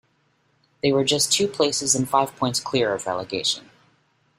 They were just two places and five points clear of relegation.